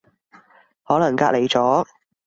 可能隔離咗